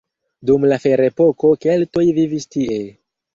Dum la ferepoko keltoj vivis tie.